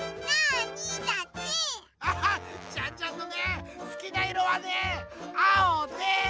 ジャンジャンのねすきないろはねあおです！